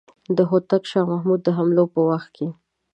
د هوتک شاه محمود د حملو په وخت کې.